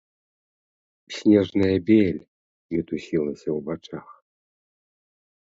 Снежная бель мітусілася ў вачах.